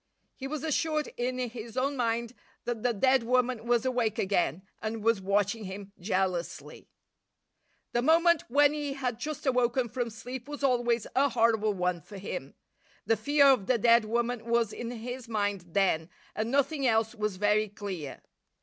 He was assured in his own mind that the dead woman was awake again and was watching him jealously. The moment when he had just awoken from sleep was always a horrible one for him. The fear of the dead woman was in his mind then and nothing else was very clear.